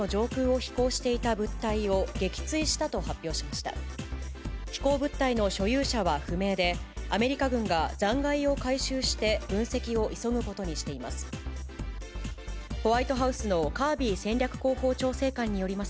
飛行物体の所有者は不明で、アメリカ軍が残骸を回収して、分析を急ぐことにしています。